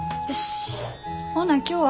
よし！